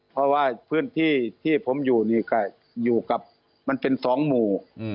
เพราะว่าพื้นที่ที่ผมอยู่นี่ก็อยู่กับมันเป็น๒หมู่